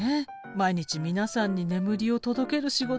毎日皆さんに眠りを届ける仕事